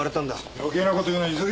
余計なこと言うな急げ。